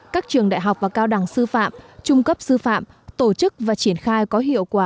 các trường đại học và cao đẳng sư phạm trung cấp sư phạm tổ chức và triển khai có hiệu quả